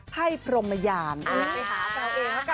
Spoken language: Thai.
ให้พรมญาณไปหาแฟนเองเข้ากัน